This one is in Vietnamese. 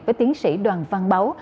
với tiến sĩ đoàn văn báu